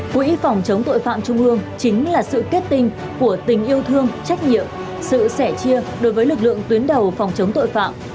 quỹ phòng chống tội phạm trung ương chính là sự kết tinh của tình yêu thương trách nhiệm sự sẻ chia đối với lực lượng tuyến đầu phòng chống tội phạm